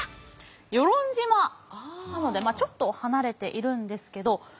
与論島なのでちょっと離れているんですけど。